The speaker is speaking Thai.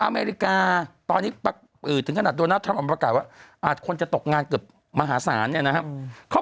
อเมริกาตอนนี้ถึงขนาดโดนัลดทรัมป์ประกาศว่าคนจะตกงานเกือบมหาศาลเนี่ยนะครับ